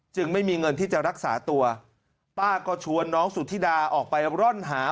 ไม่มีเงินที่จะรักษาตัวป้าก็ชวนน้องสุธิดาออกไปร่อนหา